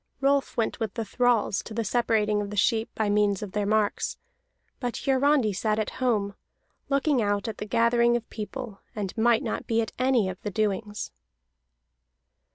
Rolf went with the thralls to the separating of the sheep by means of their marks; but Hiarandi sat at home, looking out at the gathering of people, and might not be at any of the doings.